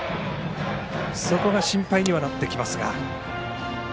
そこが心配にはなってきますが。